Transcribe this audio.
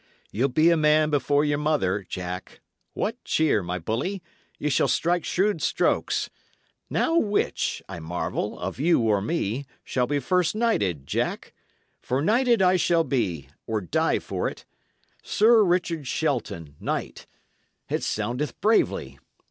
"Ye'll be a man before your mother, Jack. What cheer, my bully! Ye shall strike shrewd strokes. Now, which, I marvel, of you or me, shall be first knighted, Jack? for knighted I shall be, or die for 't. 'Sir Richard Shelton, Knight': it soundeth bravely.